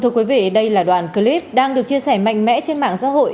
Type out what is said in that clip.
thưa quý vị đây là đoạn clip đang được chia sẻ mạnh mẽ trên mạng xã hội